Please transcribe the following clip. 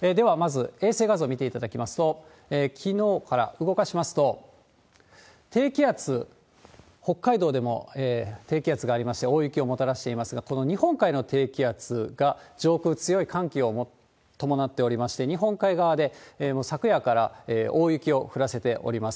では、まず衛星画像見ていただきますと、きのうから、動かしますと、低気圧、北海道でも低気圧がありまして、大雪をもたらしていますが、この日本海の低気圧が上空、強い寒気を伴っておりまして、日本海側で、もう昨夜から大雪を降らせております。